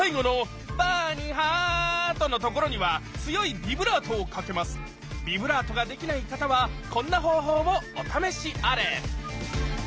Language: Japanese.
ビブラートができない方はこんな方法をお試しあれ！